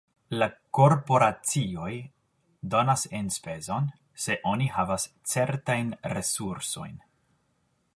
La korporacioj donas enspezon, se oni havas certajn resursojn.